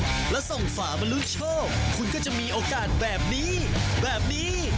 แจกกันทุกวันกับกิจกรรม